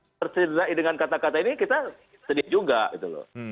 kalau tercederai dengan kata kata ini kita sedih juga gitu loh